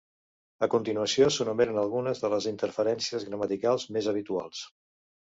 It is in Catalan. A continuació s'enumeren algunes de les interferències gramaticals més habituals.